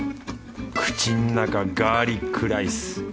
口ん中ガーリックライス。